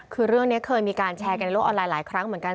คือเรื่องนี้เคยมีการแชร์กันในโลกออนไลน์หลายครั้งเหมือนกัน